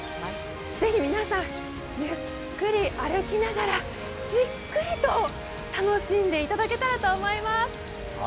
ぜひ皆さん、ゆっくり歩きながらじっくりと楽しんでいただけたらと思います。